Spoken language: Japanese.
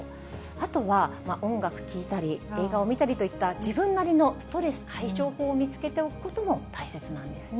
あとは音楽聴いたり、映画を見たりといった、自分なりのストレス解消法を見つけておくことも大切なんですね。